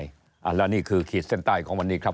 แล้วนี่คือขีดเส้นใต้ของวันนี้ครับ